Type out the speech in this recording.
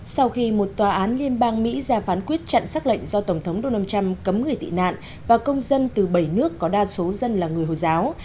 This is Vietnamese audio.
sau khi một tòa án liên bang mỹ ra phán quyết chặn xác lệnh do tổng thống donald trump cấm người tị nạn và công dân từ bảy nước có đa số dân là người hồi giáo